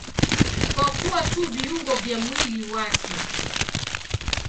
Kwa kuwa tu viungo vya mwili wake.